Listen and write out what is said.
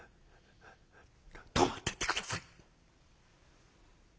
泊まってって下さい」。